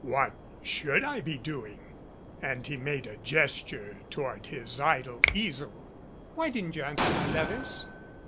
"What should I be doing?" and he made a gesture toward his idle easel. "Why didn't you answer my letters?"